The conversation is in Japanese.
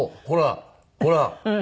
ほらほら。